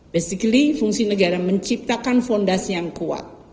basically fungsi negara menciptakan fondasi yang kuat